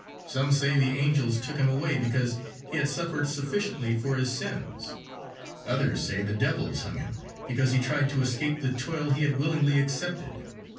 Some say the angels took him away because he had suffered sufficiently for his sins. Others say the devils hung him because he tried to escape the toil he had willingly accepted.